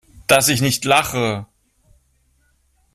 Dass ich nicht lache!